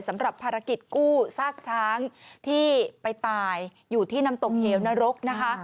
สำหรับภารกิจกู้ซากช้างที่ไปตายอยู่ที่น้ำตกเหวนรกนะคะ